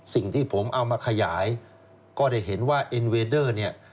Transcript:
สิ่งที่ผมเอามาขยายก็ได้เห็นว่าเอ็นเวดเดอร์เนี่ย